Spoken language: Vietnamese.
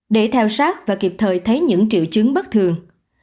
để theo sát và kịp thời thấy những triệu chứng bất thường